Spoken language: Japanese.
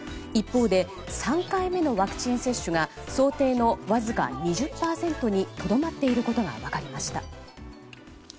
一方で３回目のワクチン接種が想定のわずか２０％にとどまっていることが分かりました。